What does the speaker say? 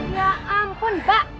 ya ampun mbak